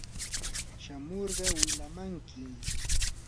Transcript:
shamurqa wilamanki.